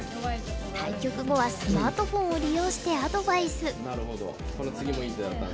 対局後はスマートフォンを利用してアドバイス。